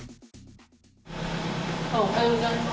おはようございます。